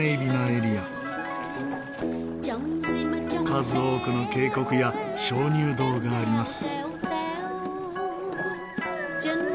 数多くの渓谷や鍾乳洞があります。